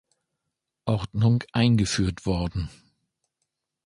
Ordnung eingeführt worden.